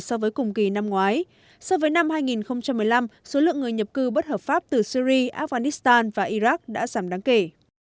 so với cùng kỳ năm ngoái so với năm hai nghìn một mươi năm số lượng người nhập cư bất hợp pháp từ syri afghanistan và iraq đã giảm đáng kể